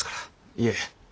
いえ。